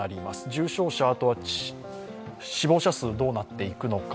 重症者、あとは死亡者数どうなっていくのか。